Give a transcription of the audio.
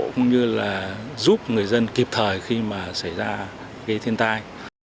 cũng như là giúp người dân kịp thời khi mà xảy ra cái thiên tai